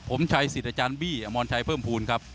ผมชัยสิทธิ์อาจารย์บี้อมรชัยเพิ่มภูมิครับ